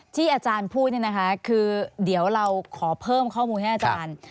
ที่อาจารย์พูดเนี่ยนะคะคือเดี๋ยวเราขอเพิ่มข้อมูลให้อาจารย์